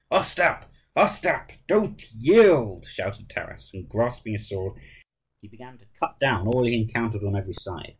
"Ostap, Ostap! don't yield!" shouted Taras, and grasping his sword he began to cut down all he encountered on every side.